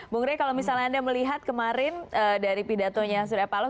bung rey kalau misalnya anda melihat kemarin dari pidatonya surya paloh